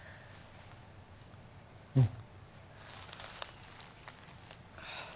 うん。